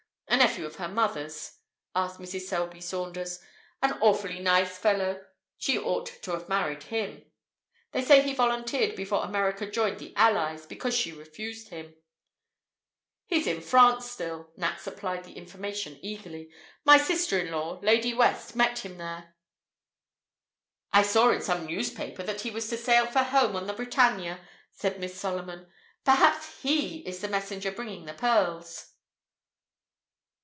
a nephew of her mother's," asked Mrs. Selby Saunders. "An awfully nice fellow! She ought to have married him. They say he volunteered before America joined the Allies, because she refused him " "He's in France still," Nat supplied the information eagerly. "My sister in law, Lady West, met him there " "I saw in some newspaper that he was to sail for home on the Britannia" said Miss Solomon. "Perhaps he is the messenger bringing the pearls!"